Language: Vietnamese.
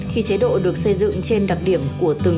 khi chế độ được xây dựng trên đặc điểm của các chế độ ăn